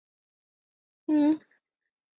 完子和九条幸家育有七名子女。